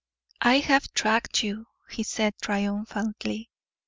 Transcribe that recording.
"I have tracked you," he said, triumphantly.